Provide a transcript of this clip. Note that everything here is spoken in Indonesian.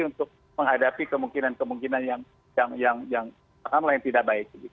untuk menghadapi kemungkinan kemungkinan yang akan tidak baik